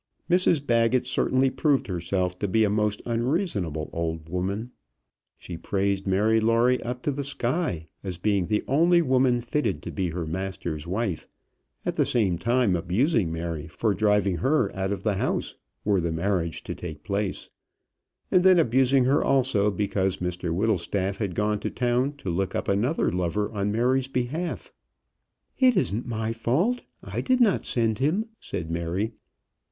Mrs Baggett certainly proved herself to be a most unreasonable old woman. She praised Mary Lawrie up to the sky as being the only woman fitted to be her master's wife, at the same time abusing Mary for driving her out of the house were the marriage to take place; and then abusing her also because Mr Whittlestaff had gone to town to look up another lover on Mary's behalf. "It isn't my fault; I did not send him," said Mary.